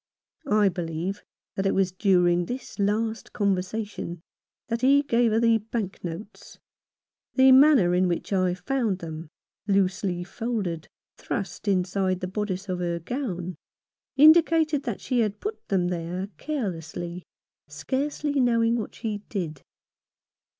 I believe that it was during this last conversation that he gave her the bank notes. The manner in which I found them, loosely folded, thrust inside the bodice of her gown, indicated that she had put them there carelessly, scarcely knowing what she did.